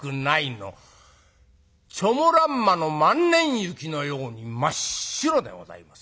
チョモランマの万年雪のように真っ白でございます。